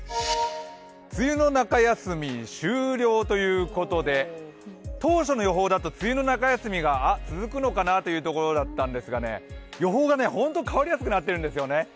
梅雨の中休み終了ということで当初の予報だと梅雨の中休みが続くのかなというところだったんですけれども、予報がほんと、変わりやすくなってるんですよね。